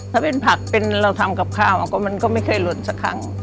ถ้าเป็นผักเป็นเราทำกับข้าวก็มันก็ไม่เคยหล่นสักครั้ง